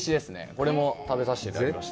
これも食べさせていただきました。